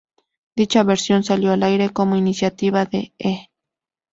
Dicha versión salió al aire como iniciativa de E!